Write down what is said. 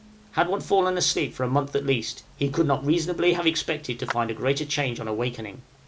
Had one fallen asleep for a month at least, he could not reasonably have expected to find a greater change on awaking.